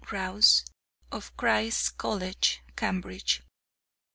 Rouse, of Christ's College, Cambridge.